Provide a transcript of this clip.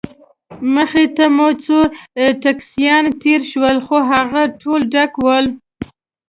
مخې ته مو څو ټکسیان تېر شول، خو هغوی ټول ډک ول.